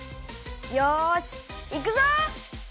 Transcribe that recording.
よしいくぞ！